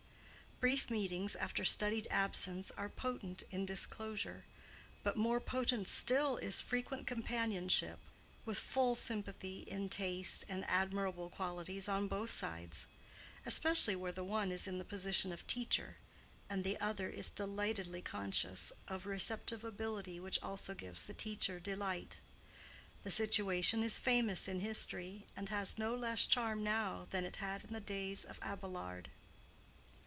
Brief meetings after studied absence are potent in disclosure: but more potent still is frequent companionship, with full sympathy in taste and admirable qualities on both sides; especially where the one is in the position of teacher and the other is delightedly conscious of receptive ability which also gives the teacher delight. The situation is famous in history, and has no less charm now than it had in the days of Abelard.